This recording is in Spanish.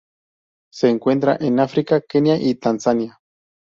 Se encuentran en África: Kenia y Tanzania.